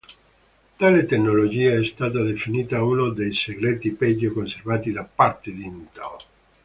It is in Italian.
Tale tecnologia è stata definita uno dei "segreti peggio conservati" da parte di Intel.